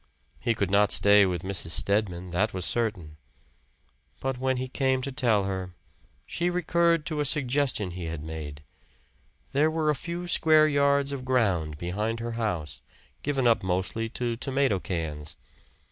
He could not stay with Mrs. Stedman, that was certain. But when he came to tell her, she recurred to a suggestion he had made. There were a few square yards of ground behind her house, given up mostly to tomato cans.